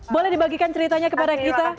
boleh dibagikan ceritanya kepada kita